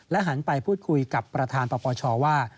หันไปพูดคุยกับประธานปปชว่า